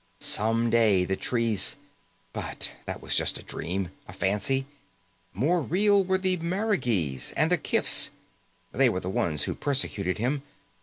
Someday the trees But that was just a dream, a fancy. More real were the marigees and the kifs. They were the ones who persecuted him.